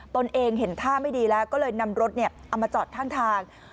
ตนเองเห็นท่าไม่ดีแล้วก็เลยนำรถเอามาจอดข้างทาง